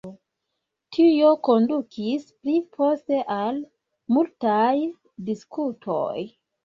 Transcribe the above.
Tio kondukis pli poste al multaj diskutoj.